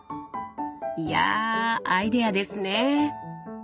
いやアイデアですね。